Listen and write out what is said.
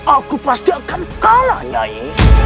aku pasti akan kalah nyai